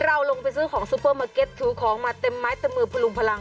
เราลงไปซื้อของซูเปอร์มาร์เก็ตถือของมาเต็มไม้เต็มมือพลุงพลัง